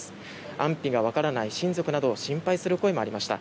安否が分からない親族などを心配する声もありました。